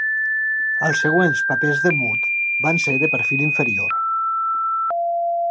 Els següents papers de Muth van ser de perfil inferior.